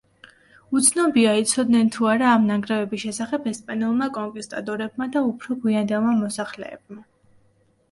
უცნობია, იცოდნენ თუ არა ამ ნანგრევების შესახებ ესპანელმა კონკისტადორებმა და უფრო გვიანდელმა მოსახლეებმა.